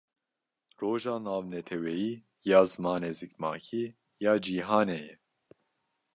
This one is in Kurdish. Roja Navneteweyî ya Zimanê Zikmakî Ya Cîhanê ye.